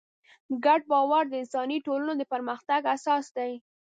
ګډ باور د انساني ټولنو د پرمختګ اساس دی.